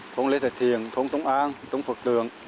thông lê thật thiền thông tông an thông phật tường